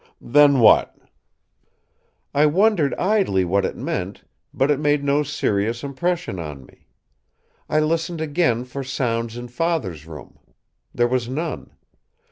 "Then what?" "I wondered idly what it meant, but it made no serious impression on me. I listened again for sounds in father's room. There was none.